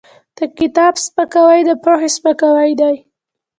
د کتاب سپکاوی د پوهې سپکاوی دی.